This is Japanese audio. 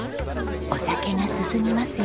お酒が進みますよ。